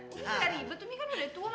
umi gak ribet umi kan udah tua